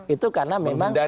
itu karena memang